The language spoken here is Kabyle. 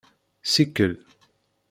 Sikel.